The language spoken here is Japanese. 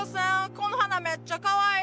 この花めっちゃかわいい！